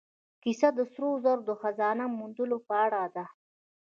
کیسه د سرو زرو د خزانه موندلو په اړه ده.